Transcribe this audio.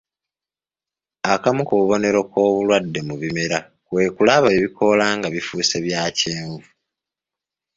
Akamu ku bubonero k'obulwadde mu bimera kwekulaba ebikoola nga bifuuse bya kyenvu.